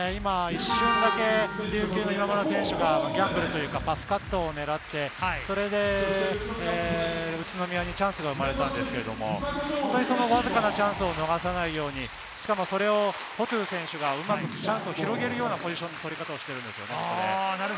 一瞬だけ琉球の今村選手がパスカットをねらって、宇都宮にチャンスが生まれたんですけれども、そのわずかなチャンスを逃さないように、しかもフォトゥ選手がうまくチャンスを広げるようなポジションの取り方をしているんですよね。